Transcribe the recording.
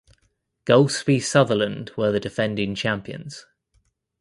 Golspie Sutherland were the defending champions.